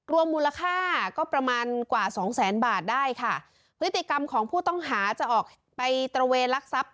รวมมูลค่าก็ประมาณกว่าสองแสนบาทได้ค่ะพฤติกรรมของผู้ต้องหาจะออกไปตระเวนลักทรัพย์